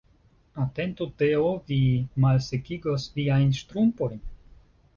Atentu Teo, vi malsekigos viajn ŝtrumpojn.